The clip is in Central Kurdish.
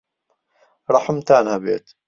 ڕەحمتان هەبێت!